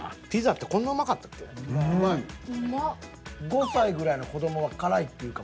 ５歳ぐらいの子供は辛いって言うかも。